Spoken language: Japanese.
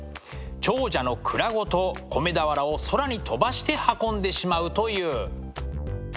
長者の倉ごと米俵を空に飛ばして運んでしまうという。